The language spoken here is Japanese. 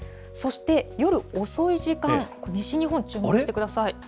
そして夜遅い時間、西日本、注目してください。